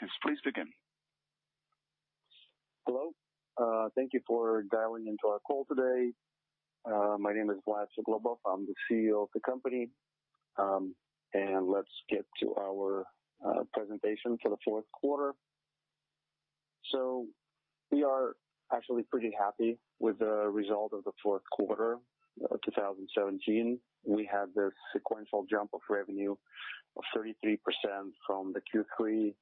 You can please begin. Hello. Thank you for dialing into our call today. My name is Vlad Suglobov, I'm the CEO of the company. Let's get to our presentation for the fourth quarter. We are actually pretty happy with the result of the fourth quarter of 2017. We had this sequential jump of revenue of 33% from the Q3,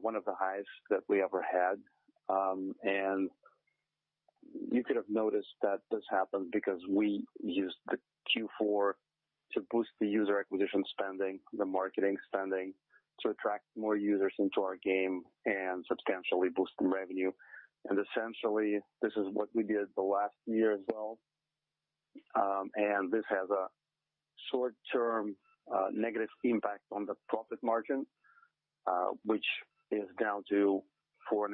one of the highest that we ever had. You could have noticed that this happened because we used the Q4 to boost the user acquisition spending, the marketing spending to attract more users into our game and substantially boost the revenue. Essentially, this is what we did the last year as well. This has a short-term negative impact on the profit margin, which is down to 4.5%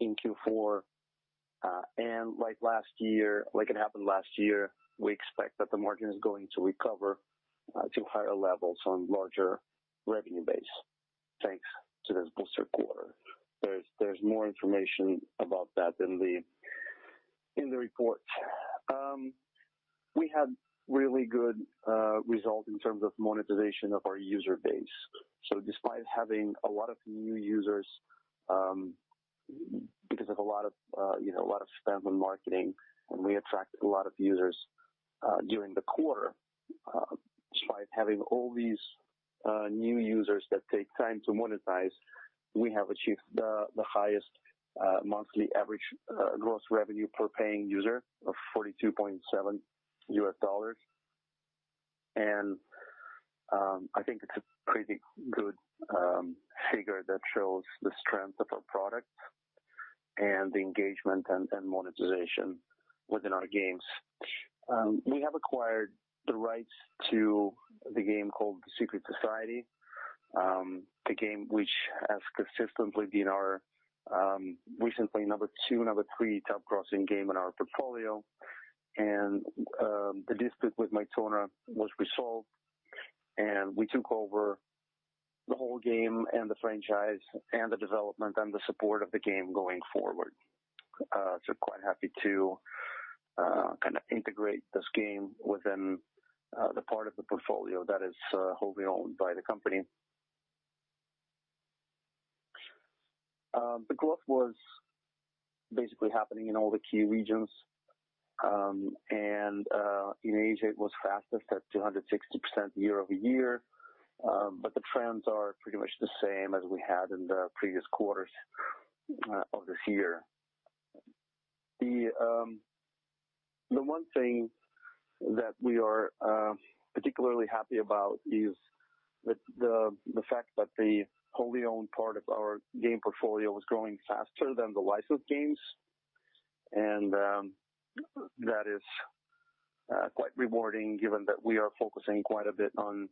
in Q4. Like it happened last year, we expect that the margin is going to recover to higher levels on larger revenue base, thanks to this booster quarter. There's more information about that in the report. We had really good results in terms of monetization of our user base. Despite having a lot of new users, because of a lot of spend on marketing, and we attract a lot of users, during the quarter, despite having all these new users that take time to monetize, we have achieved the highest monthly average gross revenue per paying user of $42.7 US. I think it's a pretty good figure that shows the strength of our product and the engagement and monetization within our games. We have acquired the rights to the game called The Secret Society, the game which has consistently been our recently number 2, number 3 top grossing game in our portfolio. The dispute with Mytona was resolved, and we took over the whole game and the franchise and the development and the support of the game going forward. Quite happy to kind of integrate this game within the part of the portfolio that is wholly owned by the company. The growth was basically happening in all the key regions. In Asia, it was fastest at 260% year-over-year. The trends are pretty much the same as we had in the previous quarters of this year. The one thing that we are particularly happy about is the fact that the wholly owned part of our game portfolio is growing faster than the licensed games. That is quite rewarding given that we are focusing quite a bit on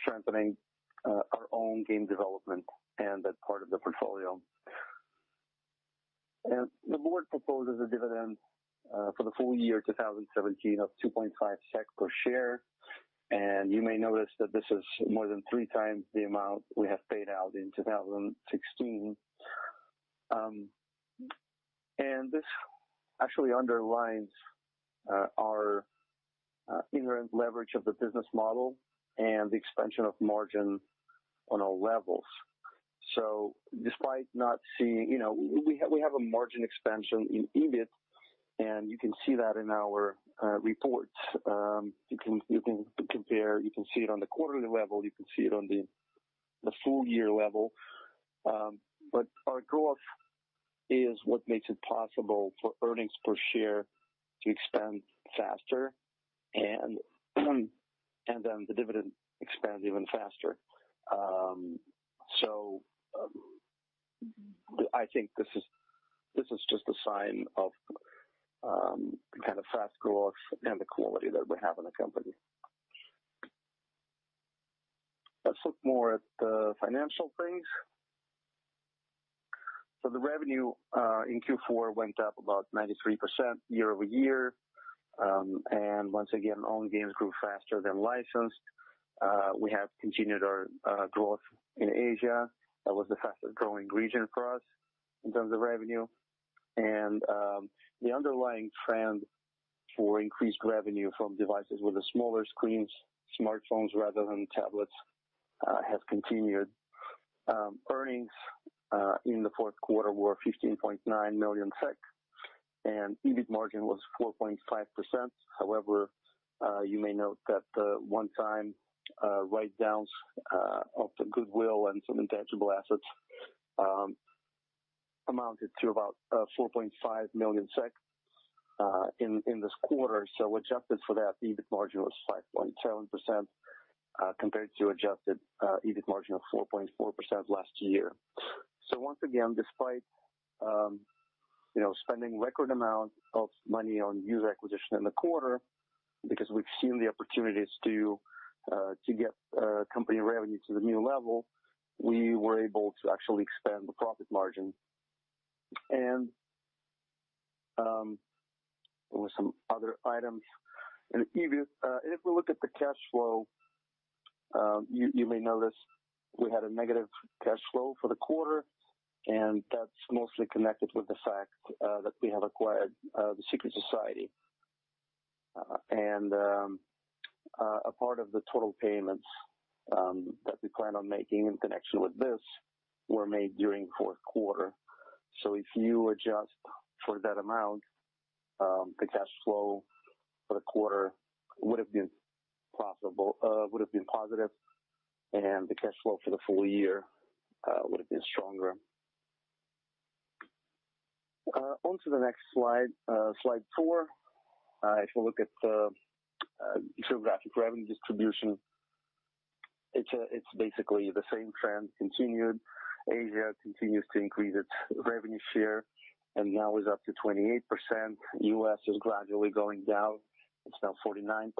strengthening our own game development and that part of the portfolio. The board proposes a dividend for the full year 2017 of 2.5 SEK per share. You may notice that this is more than three times the amount we have paid out in 2016. This actually underlines our inherent leverage of the business model and the expansion of margin on all levels. Despite not seeing, we have a margin expansion in EBIT, and you can see that in our reports. You can compare, you can see it on the quarterly level, you can see it on the full year level. Our growth is what makes it possible for earnings per share to expand faster, and then the dividend expands even faster. I think this is just a sign of kind of fast growth and the quality that we have in the company. Let's look more at the financial things. The revenue in Q4 went up about 93% year-over-year. Once again, owned games grew faster than licensed. We have continued our growth in Asia. That was the fastest growing region for us in terms of revenue. The underlying trend for increased revenue from devices with the smaller screens, smartphones rather than tablets, has continued. Earnings in the fourth quarter were 15.9 million, and EBIT margin was 4.5%. However, you may note that the one-time write-downs of the goodwill and some intangible assets amounted to about 4.5 million SEK in this quarter. Adjusted for that, the EBIT margin was 5.7%, compared to adjusted EBIT margin of 4.4% last year. Once again, despite spending record amount of money on user acquisition in the quarter because we've seen the opportunities to get company revenue to the new level, we were able to actually expand the profit margin. There were some other items. If we look at the cash flow, you may notice we had a negative cash flow for the quarter, and that's mostly connected with the fact that we have acquired The Secret Society. A part of the total payments that we plan on making in connection with this were made during the fourth quarter. If you adjust for that amount, the cash flow for the quarter would have been positive, and the cash flow for the full year would have been stronger. On to the next slide four. If you look at the geographic revenue distribution, it's basically the same trend continued. Asia continues to increase its revenue share and now is up to 28%. U.S. is gradually going down. It's now 49%.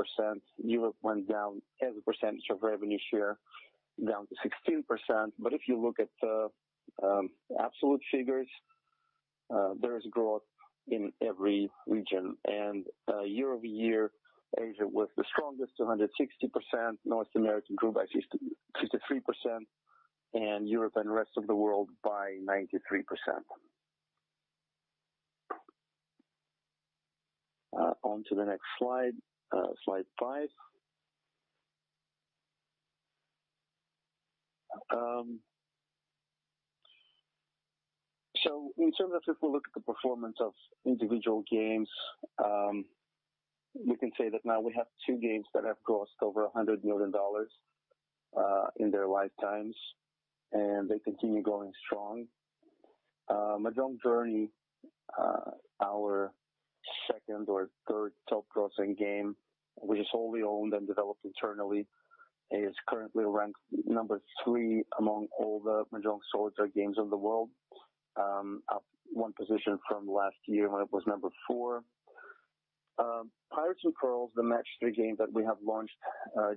Europe went down as a percentage of revenue share down to 16%. If you look at the absolute figures, there is growth in every region. Year-over-year, Asia was the strongest, 260%, North America grew by 63%, and Europe and the rest of the world by 93%. On to the next slide five. In terms of if we look at the performance of individual games, we can say that now we have two games that have grossed over SEK 100 million in their lifetimes, and they continue going strong. Mahjong Journey, our second or third top-grossing game, which is wholly owned and developed internally, is currently ranked number 3 among all the Mahjong solitaire games in the world, up one position from last year when it was number 4. Pirates & Pearls, the match 3 game that we have launched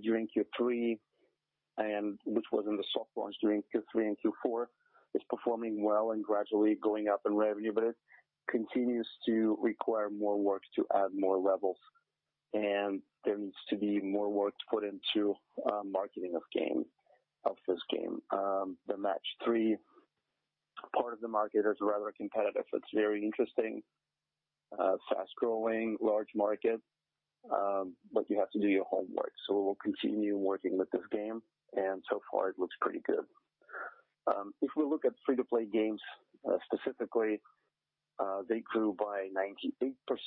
during Q3 and which was in the soft launch during Q3 and Q4, is performing well and gradually going up in revenue, but it continues to require more work to add more levels. There needs to be more work put into marketing of this game. The match 3 part of the market is rather competitive. It's very interesting, fast-growing, large market, but you have to do your homework. We'll continue working with this game, and so far it looks pretty good. If we look at free-to-play games specifically, they grew by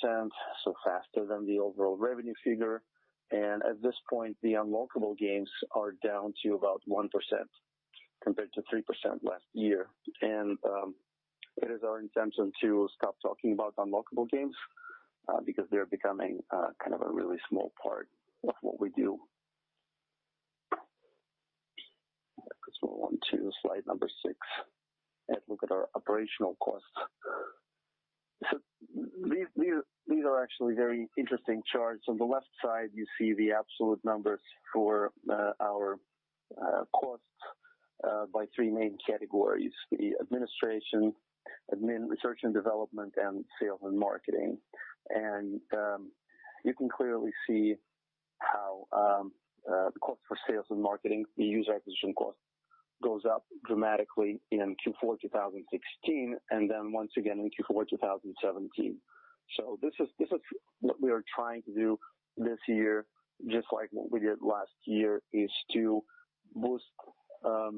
98%, faster than the overall revenue figure. At this point, the unlockable games are down to about 1% compared to 3% last year. It is our intention to stop talking about unlockable games because they're becoming kind of a really small part of what we do. Let's go on to slide number six and look at our operational costs. These are actually very interesting charts. On the left side, you see the absolute numbers for our costs by three main categories, the administration, admin, research and development, and sales and marketing. You can clearly see how the cost for sales and marketing, the user acquisition cost, goes up dramatically in Q4 2016 and then once again in Q4 2017. This is what we are trying to do this year, just like what we did last year, is to boost our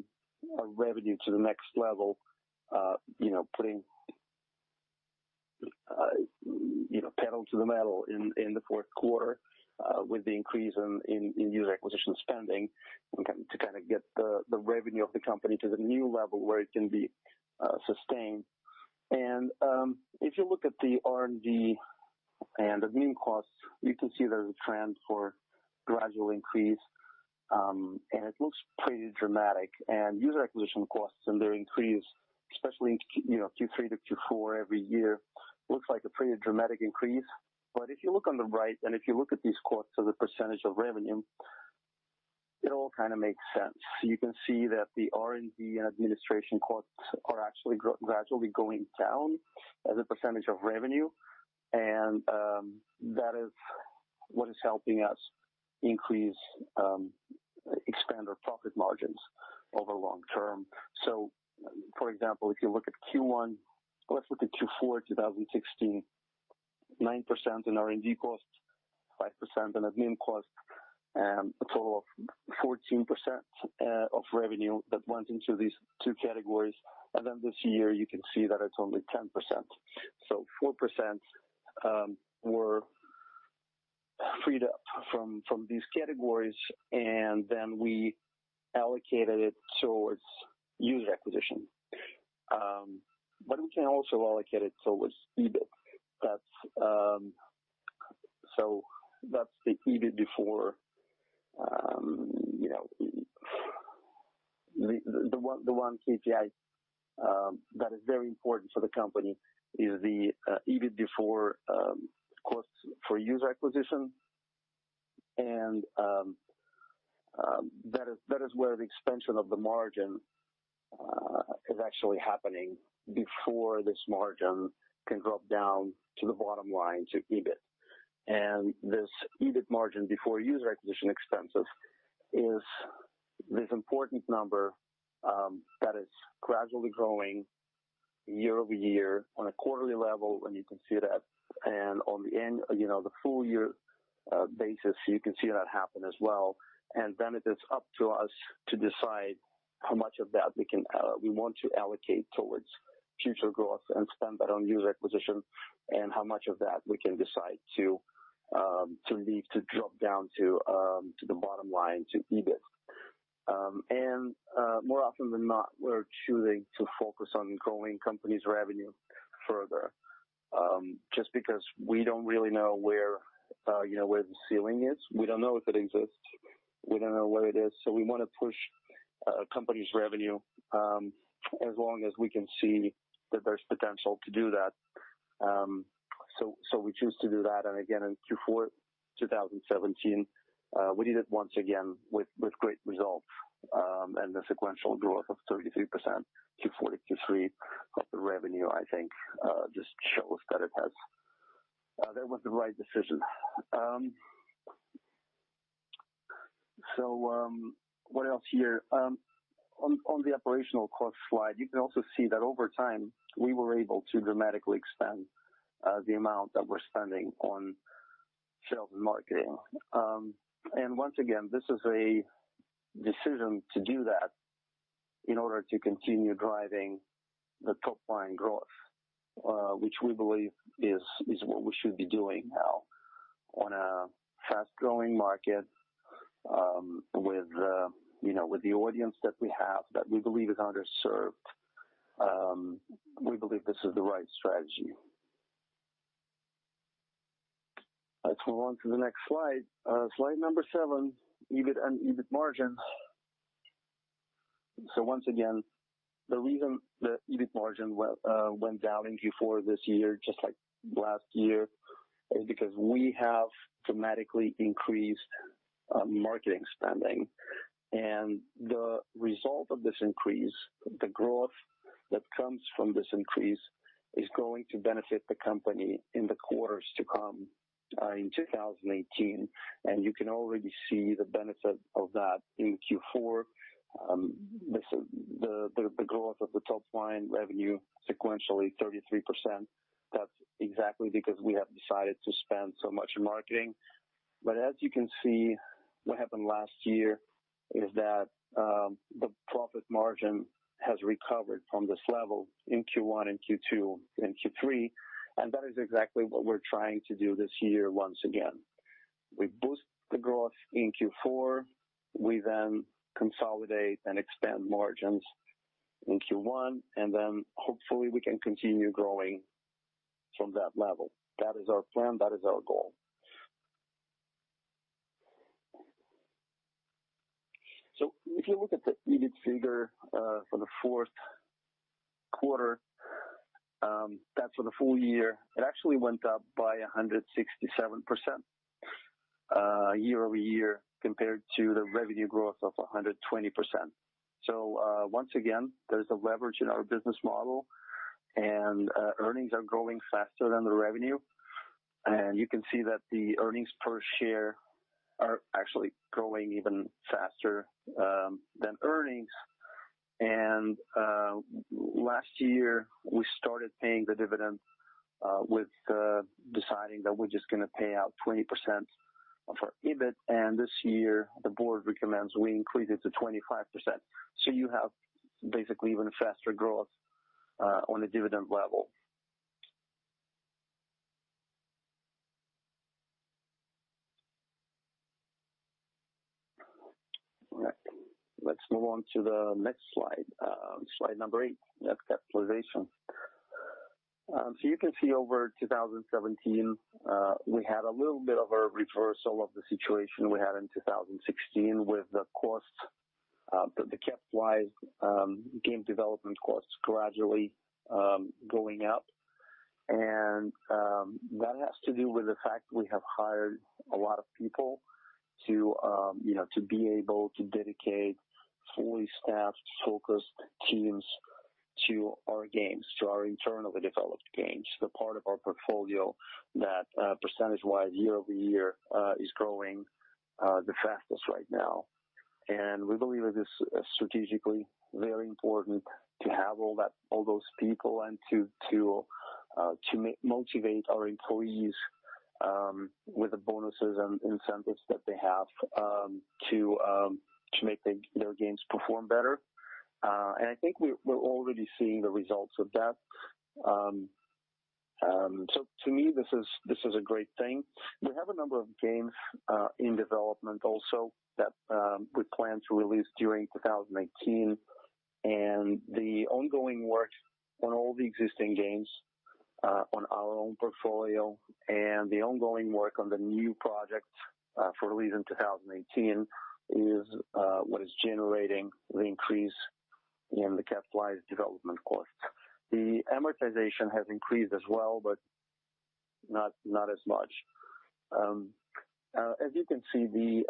revenue to the next level, putting pedal to the metal in the fourth quarter with the increase in user acquisition spending to get the revenue of the company to the new level where it can be sustained. If you look at the R&D and admin costs, you can see there's a trend for gradual increase, and it looks pretty dramatic. User acquisition costs and their increase, especially in Q3 to Q4 every year, looks like a pretty dramatic increase. If you look on the right and if you look at these costs as a % of revenue, it all kind of makes sense. You can see that the R&D and administration costs are actually gradually going down as a % of revenue, that is what is helping us expand our profit margins over the long term. For example, if you look at Q4 2016, 9% in R&D costs, 5% in admin costs, a total of 14% of revenue that went into these two categories. This year, you can see that it's only 10%. 4% were freed up from these categories, then we allocated it towards user acquisition. We can also allocate it towards EBIT. The one KPI that is very important for the company is the EBIT before costs for user acquisition. That is where the expansion of the margin is actually happening before this margin can drop down to the bottom line to EBIT. This EBIT margin before user acquisition expenses is this important number that is gradually growing year-over-year on a quarterly level, and you can see that. On the full year basis, you can see that happen as well. It is up to us to decide how much of that we want to allocate towards future growth and spend that on user acquisition, and how much of that we can decide to leave to drop down to the bottom line, to EBIT. More often than not, we're choosing to focus on growing company's revenue further, just because we don't really know where the ceiling is. We don't know if it exists. We don't know where it is. We want to push company's revenue, as long as we can see that there's potential to do that. We choose to do that, and again, in Q4 2017, we did it once again with great results. The sequential growth of 33%-43% of the revenue, I think, just shows that That was the right decision. What else here? On the operational cost slide, you can also see that over time, we were able to dramatically expand the amount that we're spending on sales and marketing. Once again, this is a decision to do that in order to continue driving the top-line growth, which we believe is what we should be doing now on a fast-growing market, with the audience that we have that we believe is underserved. We believe this is the right strategy. Let's move on to the next slide. Slide number seven, EBIT and EBIT margins. Once again, the reason the EBIT margin went down in Q4 this year, just like last year, is because we have dramatically increased marketing spending. The result of this increase, the growth that comes from this increase, is going to benefit the company in the quarters to come in 2018, and you can already see the benefit of that in Q4. The growth of the top-line revenue sequentially 33%, that's exactly because we have decided to spend so much in marketing. As you can see, what happened last year is that, the profit margin has recovered from this level in Q1 and Q2 and Q3, that is exactly what we're trying to do this year once again. We boost the growth in Q4, we then consolidate and expand margins in Q1, hopefully we can continue growing from that level. That is our plan. That is our goal. If you look at the EBIT figure for the fourth quarter, that for the full year, it actually went up by 167% year-over-year compared to the revenue growth of 120%. Once again, there's a leverage in our business model, earnings are growing faster than the revenue. You can see that the earnings per share are actually growing even faster than earnings. Last year, we started paying the dividend with deciding that we're just going to pay out 20% of our EBIT, this year the board recommends we increase it to 25%. You have basically even faster growth on a dividend level. Right. Let's move on to the next slide. Slide number eight, net capitalization. You can see over 2017, we had a little bit of a reversal of the situation we had in 2016 with the costs, the capitalized game development costs gradually going up. That has to do with the fact we have hired a lot of people to be able to dedicate fully staffed, focused teams to our games, to our internally developed games, the part of our portfolio that, percentage-wise, year-over-year, is growing the fastest right now. We believe it is strategically very important to have all those people and to motivate our employees with the bonuses and incentives that they have to make their games perform better. I think we're already seeing the results of that. To me, this is a great thing. We have a number of games in development also that we plan to release during 2018. The ongoing work on all the existing games on our own portfolio and the ongoing work on the new projects for release in 2018 is what is generating the increase in the capitalized development costs. The amortization has increased as well, but not as much. As you can see, the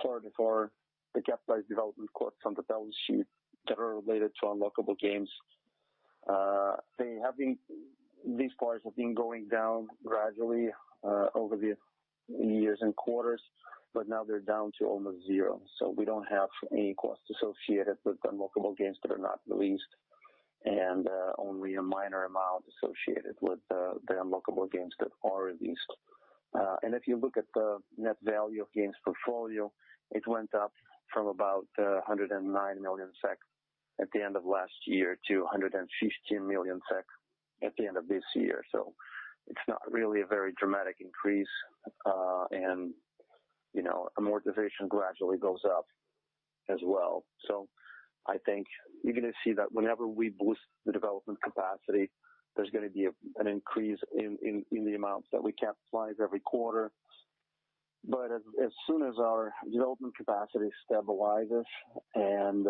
part for the capitalized development costs on the balance sheet that are related to unlockable games these parts have been going down gradually over the years and quarters, but now they're down to almost zero. We don't have any costs associated with unlockable games that are not released, and only a minor amount associated with the unlockable games that are released. If you look at the net value of games portfolio, it went up from about 109 million SEK at the end of last year to 116 million SEK at the end of this year. It's not really a very dramatic increase. Amortization gradually goes up as well. I think you're going to see that whenever we boost the development capacity, there's going to be an increase in the amounts that we capitalize every quarter. As soon as our development capacity stabilizes and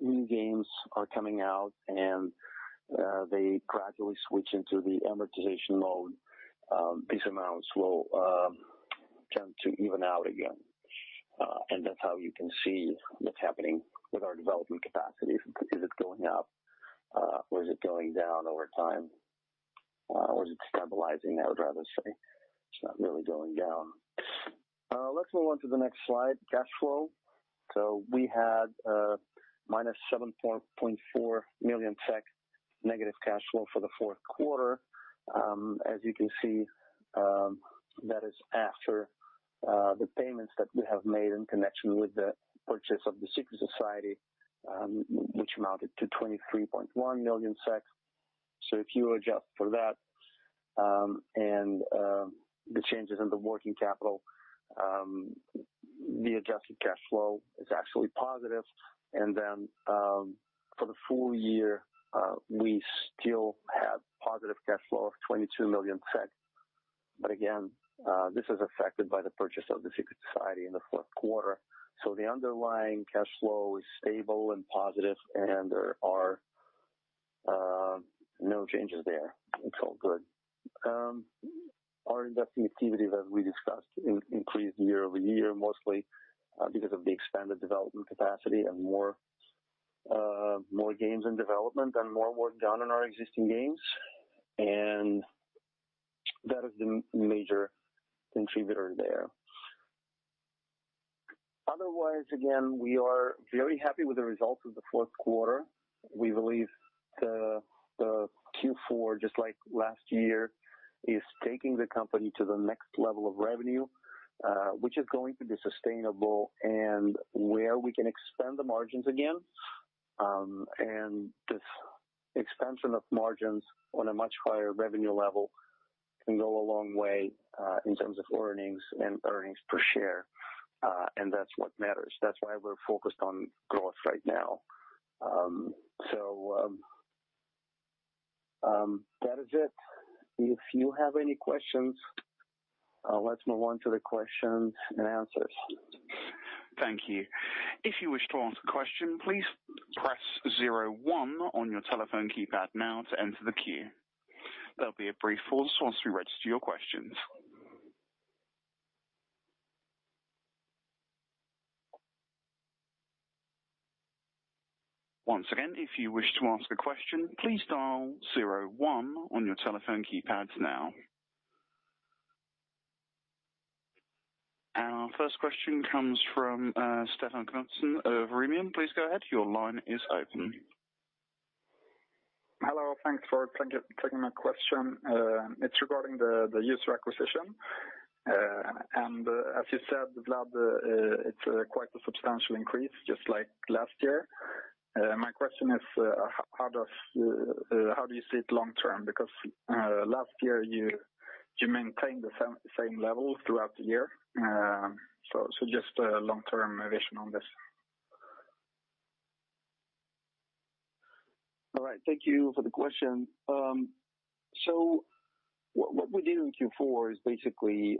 new games are coming out and they gradually switch into the amortization mode these amounts will tend to even out again. That's how you can see what's happening with our development capacity. Is it going up or is it going down over time? Is it stabilizing, I would rather say. It's not really going down. Let's move on to the next slide, cash flow. We had a minus 7.4 million negative cash flow for the fourth quarter. As you can see, that is after the payments that we have made in connection with the purchase of The Secret Society, which amounted to 23.1 million. If you adjust for that, and the changes in the working capital the adjusted cash flow is actually positive. For the full year, we still have positive cash flow of 22 million. Again, this is affected by the purchase of The Secret Society in the fourth quarter. The underlying cash flow is stable and positive, and there are no changes there. It's all good. Our investing activity, as we discussed, increased year-over-year, mostly because of the expanded development capacity and more games in development and more work done on our existing games. That is the major contributor there. Otherwise, again, we are very happy with the results of the fourth quarter. We believe the Q4, just like last year, is taking the company to the next level of revenue, which is going to be sustainable and where we can expand the margins again. This expansion of margins on a much higher revenue level can go a long way, in terms of earnings and earnings per share. That's what matters. That's why we're focused on growth right now. That is it. If you have any questions, let's move on to the question and answers. Thank you. If you wish to ask a question, please press zero one on your telephone keypad now to enter the queue. There'll be a brief pause once we register your questions. Once again, if you wish to ask a question, please dial zero one on your telephone keypad now. Our first question comes from Stefan Knutsson of Remium. Please go ahead. Your line is open. Hello. Thanks for taking my question. It's regarding the user acquisition. As you said, Vlad, it's quite a substantial increase just like last year. My question is, how do you see it long term? Last year you maintained the same level throughout the year. Just a long-term vision on this. All right. Thank you for the question. What we did in Q4 is basically,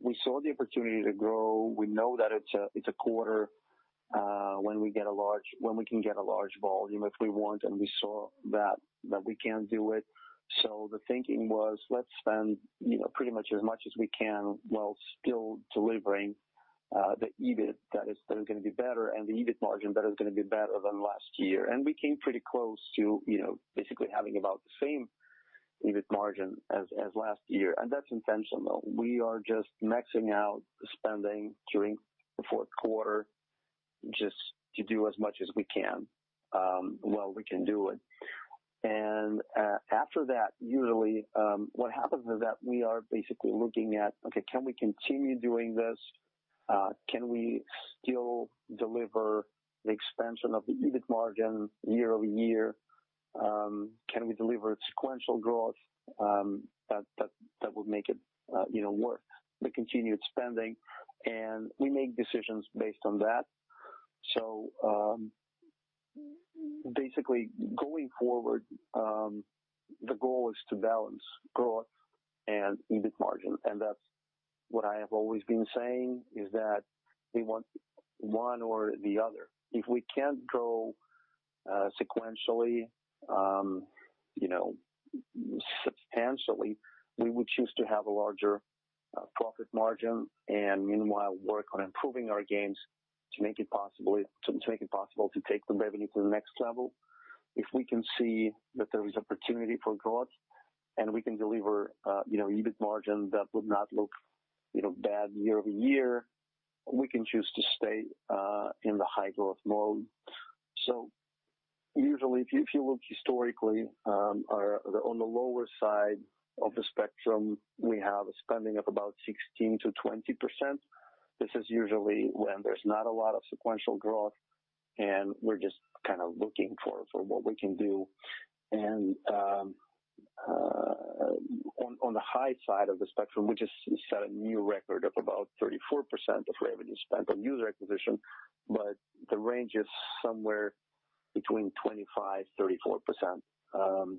we saw the opportunity to grow. We know that it's a quarter, when we can get a large volume if we want, we saw that we can do it. The thinking was, let's spend pretty much as much as we can while still delivering the EBIT that is going to be better and the EBIT margin that is going to be better than last year. We came pretty close to basically having about the same EBIT margin as last year, and that's intentional. We are just maxing out the spending during the fourth quarter just to do as much as we can while we can do it. After that, usually, what happens is that we are basically looking at, okay, can we continue doing this? Can we still deliver the expansion of the EBIT margin year-over-year? Can we deliver sequential growth that would make it worth the continued spending? We make decisions based on that. Basically going forward, the goal is to balance growth and EBIT margin, and that's what I have always been saying is that we want one or the other. If we can't grow sequentially, substantially, we would choose to have a larger profit margin and meanwhile work on improving our games to make it possible to take the revenue to the next level. If we can see that there is opportunity for growth and we can deliver EBIT margin that would not look bad year-over-year, we can choose to stay in the high growth mode. Usually, if you look historically, on the lower side of the spectrum, we have a spending of about 16%-20%. This is usually when there's not a lot of sequential growth, and we're just looking for what we can do. On the high side of the spectrum, we just set a new record of about 34% of revenue spent on user acquisition, but the range is somewhere between 25%-34%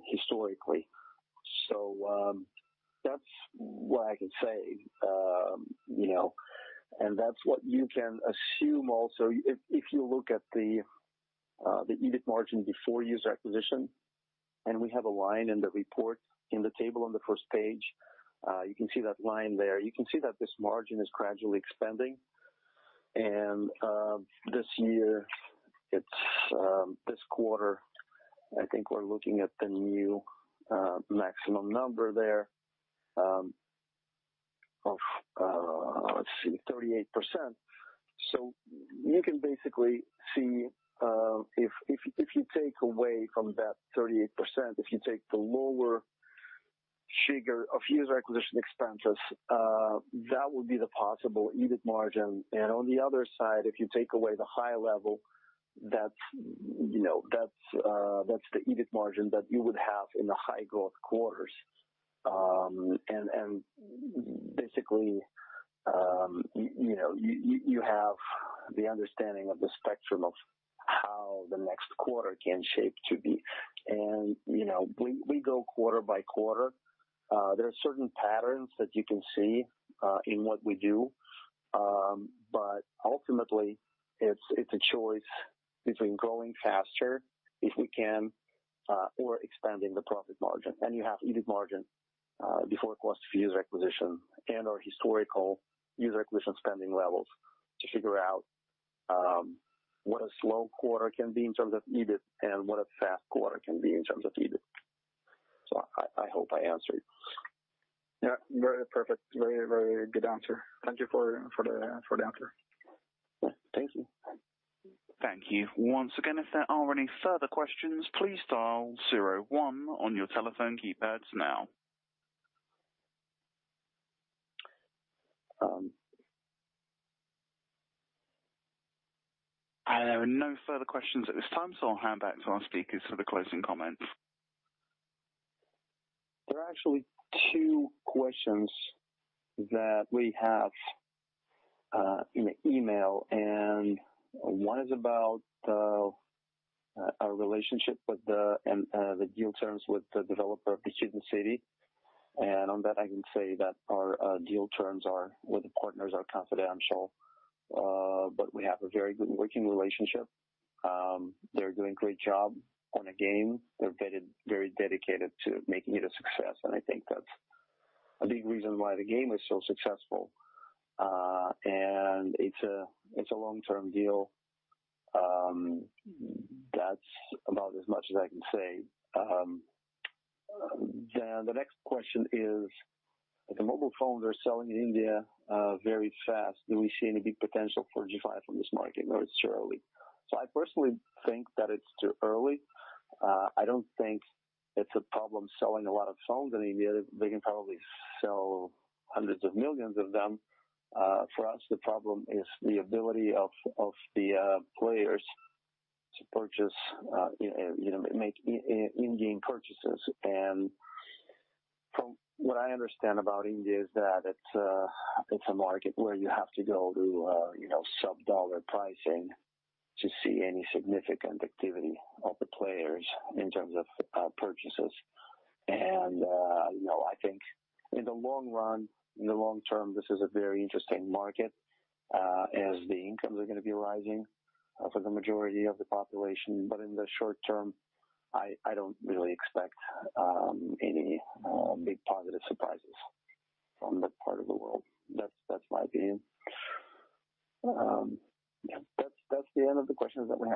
historically. That's what I can say. That's what you can assume also, if you look at the EBIT margin before user acquisition, and we have a line in the report in the table on the first page. You can see that line there. You can see that this margin is gradually expanding. This quarter, I think we're looking at the new maximum number there of, let's see, 38%. You can basically see, if you take away from that 38%, if you take the lower figure of user acquisition expenses, that would be the possible EBIT margin. On the other side, if you take away the high level, that's the EBIT margin that you would have in the high growth quarters. Basically, you have the understanding of the spectrum of how the next quarter can shape to be. We go quarter by quarter. There are certain patterns that you can see in what we do. Ultimately, it's a choice between growing faster if we can, or expanding the profit margin. You have EBIT margin before cost of user acquisition and our historical user acquisition spending levels to figure out what a slow quarter can be in terms of EBIT and what a fast quarter can be in terms of EBIT. I hope I answered. Yeah, perfect. Very good answer. Thank you for the answer. Yeah. Thank you. Thank you. Once again, if there are any further questions, please dial zero one on your telephone keypads now. There are no further questions at this time, I'll hand back to our speakers for the closing comments. There are actually two questions that we have in an email, One is about our relationship with the, and the deal terms with the developer of "Jewels of Rome." On that, I can say that our deal terms with the partners are confidential. We have a very good working relationship. They're doing a great job on the game. They're very dedicated to making it a success, I think that's a big reason why the game is so successful. It's a long-term deal. That's about as much as I can say. The next question is, the mobile phones are selling in India very fast. Do we see any big potential for G5 in this market, or it's too early? I personally think that it's too early. I don't think it's a problem selling a lot of phones in India. They can probably sell hundreds of millions of them. For us, the problem is the ability of the players to make in-game purchases. From what I understand about India is that it's a market where you have to go to sub-$1 pricing to see any significant activity of the players in terms of purchases. I think in the long run, in the long term, this is a very interesting market as the incomes are going to be rising for the majority of the population. In the short term, I don't really expect any big positive surprises from that part of the world. That's my opinion. Yeah. That's the end of the questions that we have.